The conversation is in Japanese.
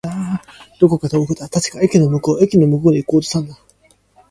どこか遠くだ。確か、駅の向こう。駅の向こうに行こうとしたんだ。